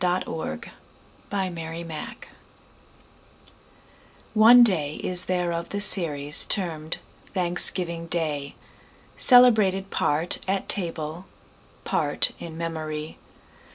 1924. Part One: Life CXXXVII ONE day is there of the seriesTermed Thanksgiving day, Celebrated part at table, Part in memory.